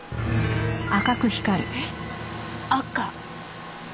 えっ赤？